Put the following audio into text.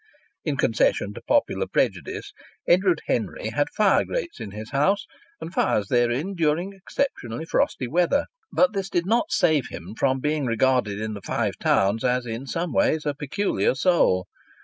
(In concession to popular prejudice Edward Henry had fire grates in his house, and fires therein during exceptionally frosty weather; but this did not save him from being regarded in the Five Towns as in some ways a peculiar soul.)